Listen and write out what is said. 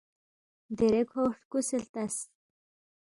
دیرے کھو ہرکُوسے ہلتس